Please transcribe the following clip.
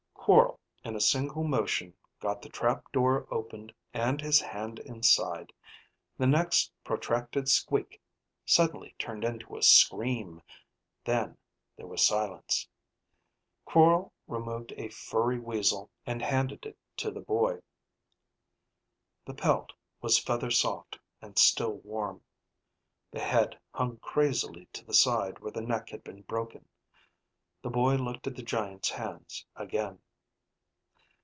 Quorl in a single motion got the trap door opened and his hand inside. The next protracted squeak suddenly turned into a scream. Then there was silence. Quorl removed a furry weasel and handed it to the boy. The pelt was feather soft and still warm. The head hung crazily to the side where the neck had been broken. The boy looked at the giant's hands again.